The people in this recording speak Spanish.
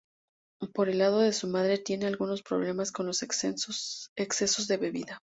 Por el lado de su madre, tiene algunos problemas con los excesos de bebida.